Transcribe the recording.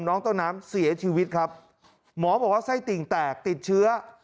น้องต้นน้ำเสียชีวิตครับหมอบอกว่าไส้ติ่งแตกติดเชื้อ